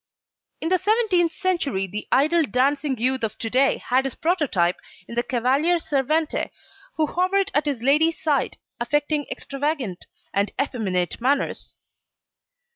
In the seventeenth century the idle dancing youth of to day had his prototype in the Cavalier Servente, who hovered at his lady's side, affecting extravagant and effeminate manners.